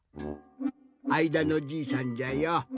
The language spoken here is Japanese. あいだのじいさんじゃよ。